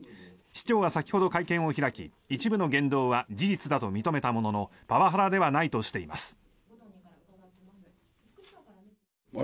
市長は先ほど会見を開き一部の言動は事実だと認めたもののパワハラではないとしています。